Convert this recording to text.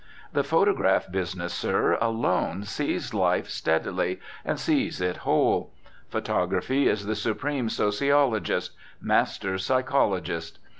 The photograph business, sir, alone sees life steadily and sees it whole. Photography is the supreme sociologist, master psychologist.